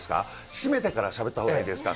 閉めてからしゃべったほうがいいですか？